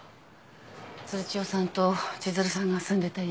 鶴千代さんと千鶴さんが住んでた家。